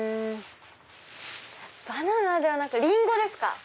バナナではなくリンゴですか？